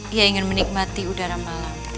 dia ingin menikmati udara malam